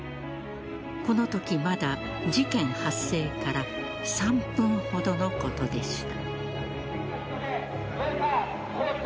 このとき、まだ事件発生から３分ほどのことでした。